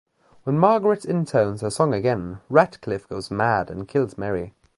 When Margaret intones her song again, Ratcliff goes mad and kills Mary.